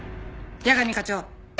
矢上課長。